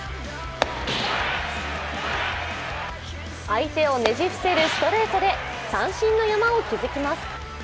相手をねじ伏せるストレートで三振の山を築きます。